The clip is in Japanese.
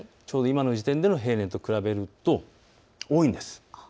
今の時点での平年と比べると多いんです。